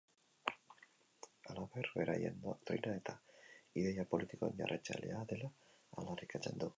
Halaber, beraien doktrina eta ideia politikoen jarraitzailea dela aldarrikatzen du.